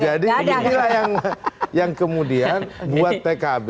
jadi inilah yang kemudian buat pkb